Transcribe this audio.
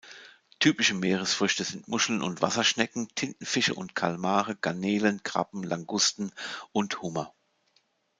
Typische Meeresfrüchte sind Muscheln und Wasserschnecken, Tintenfische und Kalmare, Garnelen, Krabben, Langusten und Hummer.